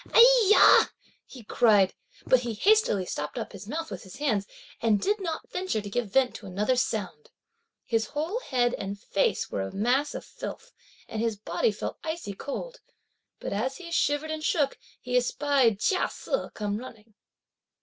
"Ai ya!" he cried, but he hastily stopped his mouth with his hands, and did not venture to give vent to another sound. His whole head and face were a mass of filth, and his body felt icy cold. But as he shivered and shook, he espied Chia Se come running.